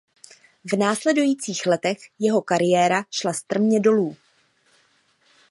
V následujících letech jeho kariéra šla strmě dolů.